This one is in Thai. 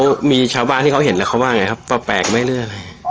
แล้วมีชาวบ้านที่เขาเห็นแล้วเขาว่าไงครับแปลกไหมหรืออะไร